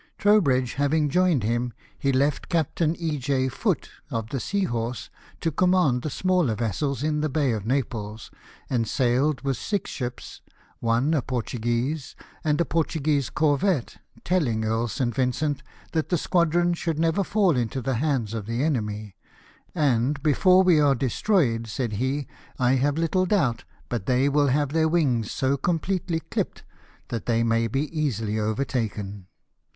Trowbridge having joined him, he left Captain E. J. Foote, of the Seahorse, to command the smaller vessels in the Bay of Naples, and sailed with six ships — one a Portuguese, and a Portuguese corvette — telling Earl St. Vincent that the squadron should never fall into the hands of the enemy :" And before we are destroyed," said he, " I have little doubt but they will have their wings so completely chpped that they may be easily overtaken."